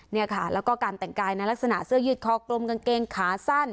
เนี่ยค่ะแล้วก็การแต่งกายในลักษณะเสื้อยืดคอกลมกางเกงขาสั้น